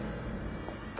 誰？